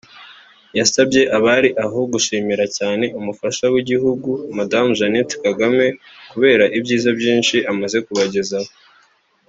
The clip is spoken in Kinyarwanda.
yasabye abari aho gushimira cyane umufasha w’Igihugu Madame Jeannette Kagame kubera ibyiza byinshi amaze kubagezaho